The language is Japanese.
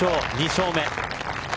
２勝目。